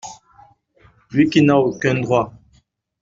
Lui qui n’a aucun droit !